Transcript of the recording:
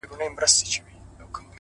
علم د فکر د پراختیا بنسټ دی؛